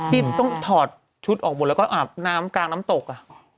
ที่ต้องถอดชุดออกหมดแล้วก็อาบน้ำกลางน้ำตก